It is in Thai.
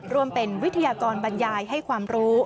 รวมเป็นวิทยากรบรรยายให้ความรู้